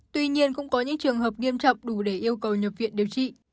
tuy nhiên cũng có những trường hợp nghiêm trọng đủ để yêu cầu nhập viện điều trị